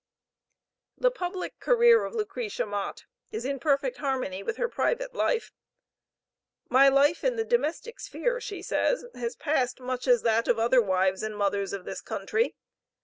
The public career of Lucretia Mott is in perfect harmony with her private life. "My life in the domestic sphere," she says, "has passed much as that of other wives and mothers of this country.